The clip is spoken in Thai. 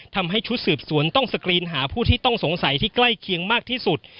ทำให้ชุดสืบสวนต้องสกรีนหาผู้ที่ต้องสงสัยที่ใกล้เคียงมากที่สุด